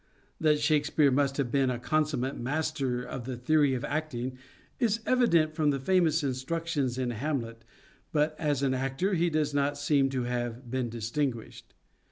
That Shakespeare must have 24 SHAKESPEAREAN THEATRES been a consummate master of the theory of acting is evident from the famous instructions in " Hamlet," but as an actor he does not seem to have been distinguished.